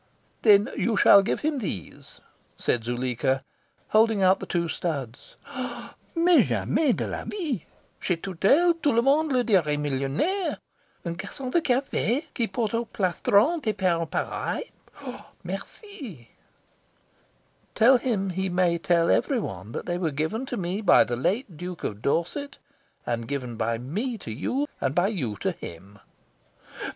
"Then you shall give him these," said Zuleika, holding out the two studs. "Mais jamais de la vie! Chez Tourtel tout le monde le dirait millionaire. Un garcon de cafe qui porte au plastron des perles pareilles merci!" "Tell him he may tell every one that they were given to me by the late Duke of Dorset, and given by me to you, and by you to him."